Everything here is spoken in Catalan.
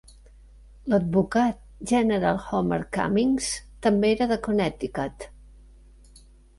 L"advocat General Homer Cummings també era de Connecticut.